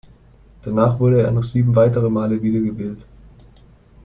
Danach wurde er noch sieben weitere male wiedergewählt.